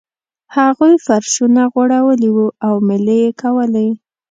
هغوی فرشونه غوړولي وو او میلې یې کولې.